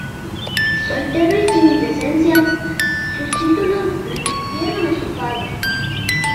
Soltero y sin descendencia, sus títulos revirtieron a su padre.